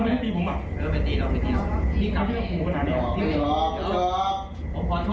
ผมขอโทษแล้วพี่กลับมาก่อนเถอะเพื่อน